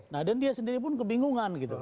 nah dan dia sendiri pun kebingungan gitu